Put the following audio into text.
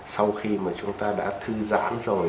sau khi mà chúng ta đã thư giãn rồi